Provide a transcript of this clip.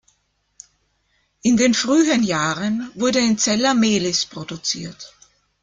In den frühen Jahren wurde in Zella-Mehlis produziert.